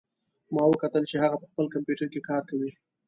ما وکتل چې هغه په خپل کمپیوټر کې کار کوي